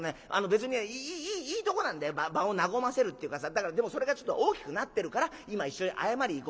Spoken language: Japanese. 別にいいとこなんだよ場を和ませるっていうかさだからでもそれがちょっと大きくなってるから今一緒に謝りに行こうって。